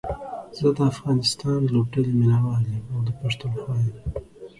زه دا افغانستان لوبډلې ميناوال يم او دا پښتونخوا يم